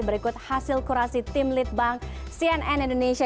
berikut hasil kurasi tim litbang cnn indonesia